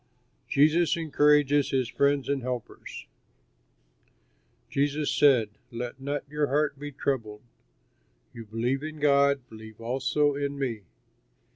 JESUS ENCOURAGES HIS FRIENDS AND HELPERS Jesus said, "Let not your heart be troubled; you believe in God, believe also in me.